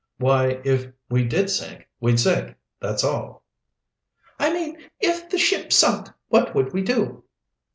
"Why, if we did sink we'd sink, that's all." "I mean, if the ship sunk what would we do?"